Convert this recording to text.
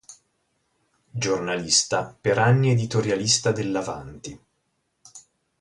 Giornalista, per anni editorialista dell’"Avanti!